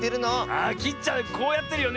あきっちゃんこうやってるよね。